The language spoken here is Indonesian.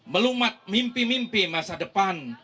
melumat mimpi mimpi masa depan